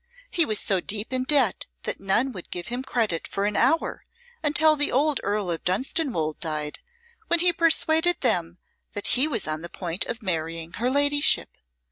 He was so deep in debt that none would give him credit for an hour, until the old Earl of Dunstanwolde died, when he persuaded them that he was on the point of marrying her ladyship.